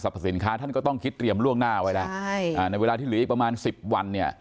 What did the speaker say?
เพราะฉะนั้น